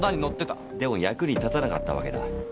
でも役に立たなかったわけだ。